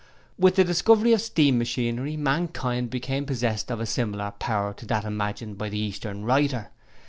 With the discovery of steam machinery, mankind became possessed of a similar power to that imagined by the Eastern writer.